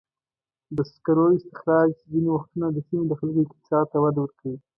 د سکرو استخراج ځینې وختونه د سیمې د خلکو اقتصاد ته وده ورکوي.